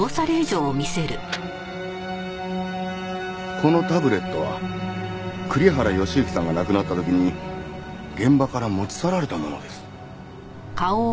このタブレットは栗原善行さんが亡くなった時に現場から持ち去られたものです。